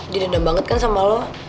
diredam banget kan sama lo